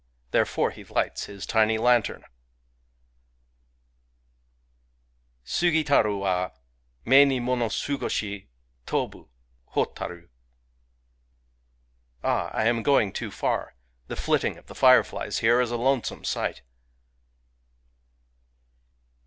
Thirefore he lights his tiny lantern /] Sugitaru wa ! Me ni mono sugoshi Tobu hotaru ! Ah, I am going too far !... The flitting of the fire flies here is a lonesome sight